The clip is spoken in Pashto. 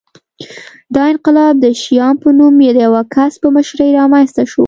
دا انقلاب د شیام په نوم د یوه کس په مشرۍ رامنځته شو